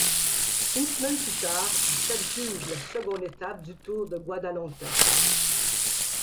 Une semaine plus tard, il s'adjuge la seconde étape du Tour de Guadalentín.